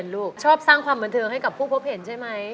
ลูกชอบสร้างความบันเทิงให้กับผู้พบเห็นใช่ไหม